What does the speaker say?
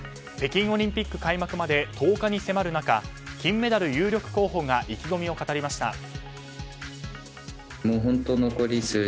北京オリンピック開幕まで１０日に迫る中金メダル有力候補が意気込みを語りました。